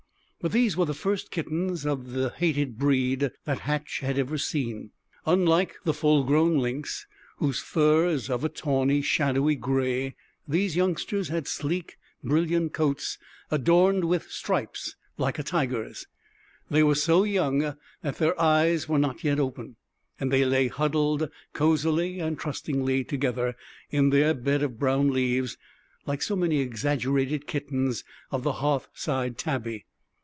But these were the first kittens of the hated breed that Hatch had ever seen. Unlike the full grown lynx, whose fur is of a tawny, shadowy gray, these youngsters had sleek, brilliant coats adorned with stripes like a tiger's. They were so young that their eyes were not yet open, and they lay huddled cosily and trustingly together, in their bed of brown leaves, like so many exaggerated kittens of the hearthside tabby.